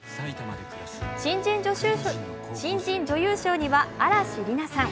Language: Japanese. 新人女優賞には嵐莉菜さん。